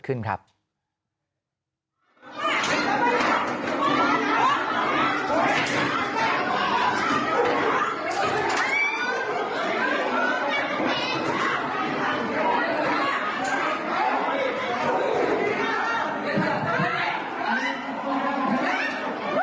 หน้าที่ความศิลมนต์วุ่นวายที่เกิดขึ้นครับลูกศิษย์ของพระสองฝั่งนะฮะฝั่งหนึ่งคือเจ้าอาวาส